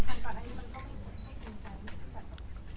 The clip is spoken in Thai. มาแหวะครับ